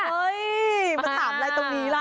เฮ้ยมาถามอะไรตรงนี้ล่ะ